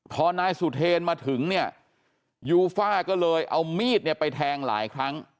พอนายสุเทนมาถึงเนี่ยยูฟ่าก็เลยเอามีดเนี่ยไปแทงหลายครั้ง